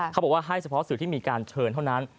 เขาบอกว่าให้เฉพาะสื่อที่มีการเชิญเท่านั้น